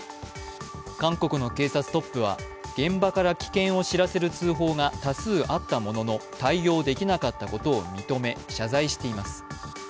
韓国の警察トップは、現場から危険を知らせる通報が多数あったものの対応できなかったことを認め謝罪しています。